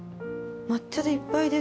抹茶でいっぱいです。